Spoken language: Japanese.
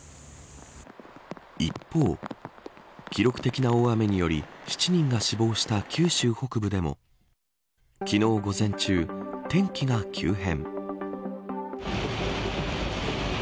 一方記録的な大雨により７人が死亡した九州北部でも昨日午前中、天気が急変。